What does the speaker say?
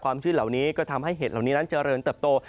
ชื่นเหล่านี้ก็ทำให้เห็ดเหล่านี้นั้นเจริญเติบโต